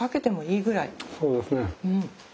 そうですね。